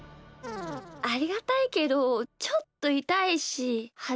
ありがたいけどちょっといたいしはずかしいんだよな。